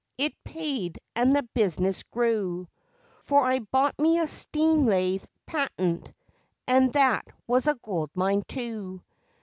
It paid, and the business grew, For I bought me a steam lathe patent, and that was a gold mine too.